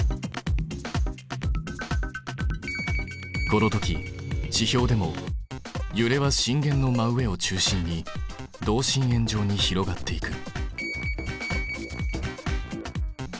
このとき地表でもゆれは震源の真上を中心に同心円状に広がっていく。